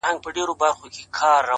هره هڅه د بدلون څپه خپروي.!